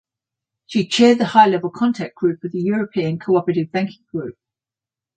She chaired the High Level Contact Group of the European Cooperative Banking Group.